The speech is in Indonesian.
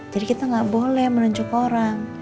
jadi kita nggak boleh menunjuk ke orang